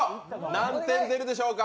何点出るでしょうか？